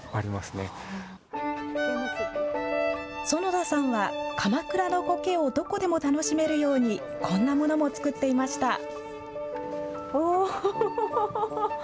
園田さんは鎌倉のこけをどこでも楽しめるようにこんなものも作っていました。